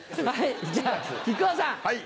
じゃあ、木久扇さん。